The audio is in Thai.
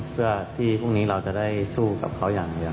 เพื่อที่พรุ่งนี้เราจะได้สู้กับเขาอย่างเดียว